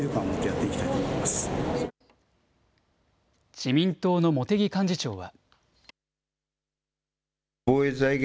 自民党の茂木幹事長は。